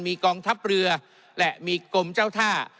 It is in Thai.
มีกองทัพเรือและมีกรมเจ้าท่า